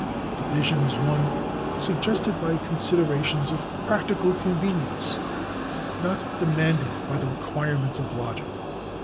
The division is one suggested by considerations of practical convenience, not demanded by the requirements of logic.